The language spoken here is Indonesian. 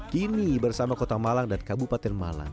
kini bersama kota malang dan kabupaten malang